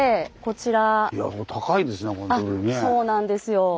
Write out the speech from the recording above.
そうなんですよ。